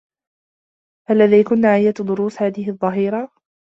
هل لديكنّ أيّة دروس هذه الظّهيرة؟